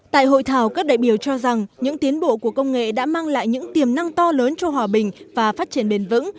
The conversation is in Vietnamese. tại hội thảo các đại biểu cho rằng những tiến bộ của công nghệ đã mang lại những tiềm năng to lớn cho hòa bình và phát triển bền vững